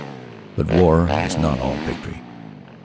But war is not all victory.